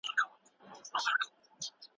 اوس هغه د یوې ملکې په څېر ژوند کوي.